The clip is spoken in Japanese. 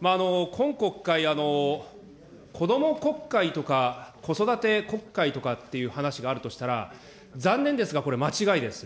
今国会、子ども国会とか、子育て国会とかっていう話があるとしたら、残念ですが、これ間違いです。